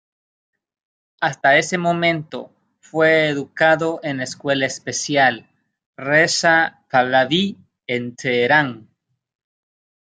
Hasta ese momento, fue educado en la Escuela Especial Reza Pahlaví, en Teherán.